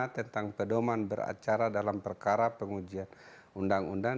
tentang pedoman beracara dalam perkara pengujian undang undang